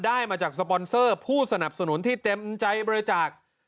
ได้มาจากสปอนเซอร์ผู้สนับสนุนที่เต็มใจบริจาค